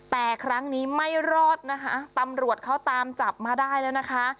แต่ครั้งนี้ไม่รอดนะคะตำรวจเขาตามจับมาได้แล้วนะคะ